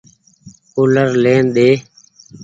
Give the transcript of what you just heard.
ڪولر لين ۮي۔